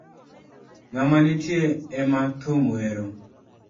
Ngama nitie ema thum wero